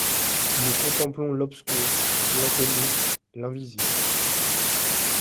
Nous contemplons l’obscur, l’inconnu, l’invisible.